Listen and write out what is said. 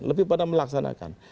lebih pada melaksanakan